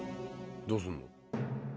どうすんの？